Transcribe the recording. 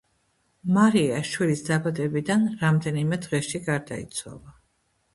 მარია შვილის დაბადებიდან რამდენიმე დღეში გარდაიცვალა.